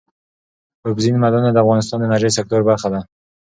اوبزین معدنونه د افغانستان د انرژۍ سکتور برخه ده.